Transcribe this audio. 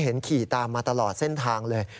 เห็นขี่ตามมาตลอดเส้นทางเลย